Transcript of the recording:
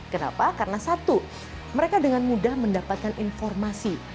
kenapa karena satu mereka dengan mudah mendapatkan informasi